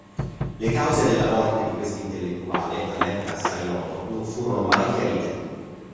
Le cause della morte di quest'intellettuale, all'epoca assai noto, non furono mai chiarite.